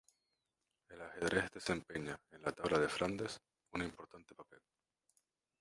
El ajedrez desempeña, en "La tabla de Flandes", un importante papel.